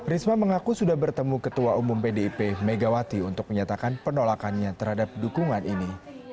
risma mengaku sudah bertemu ketua umum pdip megawati untuk menyatakan penolakannya terhadap dukungan ini